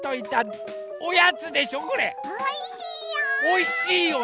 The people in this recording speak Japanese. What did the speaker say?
おいしいよ！